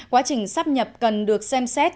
quá trình sát nhập cần được xem xét